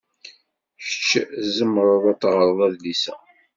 Kecc tzemreḍ ad teɣreḍ adlis-a.